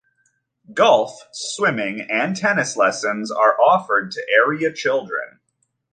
Golf, swimming and tennis lessons are offered to area children.